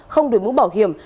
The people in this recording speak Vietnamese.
không được mũ bảo hiểm